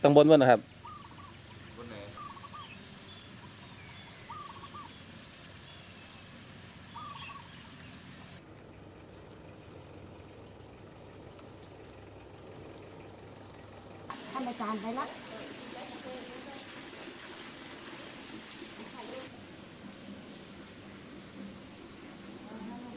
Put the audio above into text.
ตรงบนมีคนขึ้นไปนั่งอยู่กันครับแจ๋งครับ